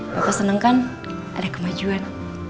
bapak senang kan ada kemajuan